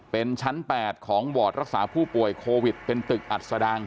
เป็นชั้น๘ของวอร์ดรักษาผู้ป่วยโควิดเป็นตึกอัดสดาง